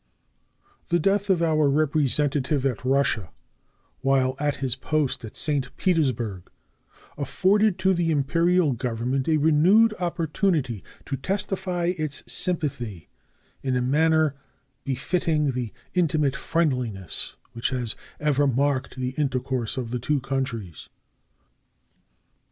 The death of our representative at Russia while at his post at St. Petersburg afforded to the Imperial Government a renewed opportunity to testify its sympathy in a manner befitting the intimate friendliness which has ever marked the intercourse of the two countries.